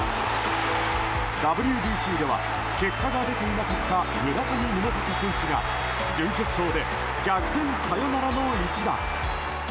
ＷＢＣでは結果が出ていなかった村上宗隆選手が準決勝で逆転サヨナラの一打。